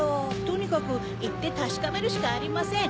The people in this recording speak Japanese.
とにかくいってたしかめるしかありません。